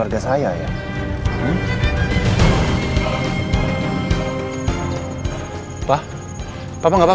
iqbal itu laki laki pengecut